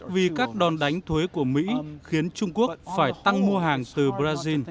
vì các đòn đánh thuế của mỹ khiến trung quốc phải tăng mua hàng từ brazil